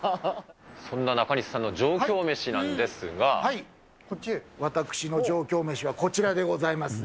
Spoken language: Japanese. そんな中西さんの上京メシなこっち、私の上京メシはこちらでございますね。